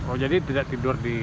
oh jadi tidak tidur di